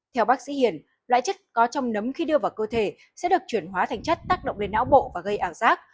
theo bác sĩ hiển loại chất có trong nấm khi đưa vào cơ thể sẽ được chuyển hóa thành chất tác động lên não bộ và gây ảo giác